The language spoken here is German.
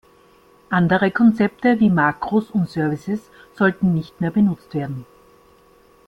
Andere Konzepte wie Makros und Services sollten nicht mehr benutzt werden.